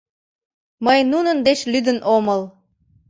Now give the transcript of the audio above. Мый нунын деч лӱдын омыл.